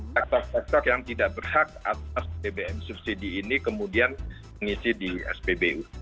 sektor sektor yang tidak berhak atas bbm subsidi ini kemudian mengisi di spbu